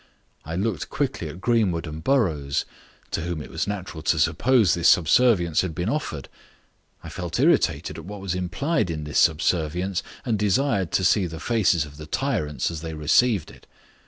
I looked quickly at Greenwood and Burrows, to whom it was natural to suppose this subservience had been offered. I felt irritated at what was implied in this subservience, and desired to see the faces of the tyrants as they received it.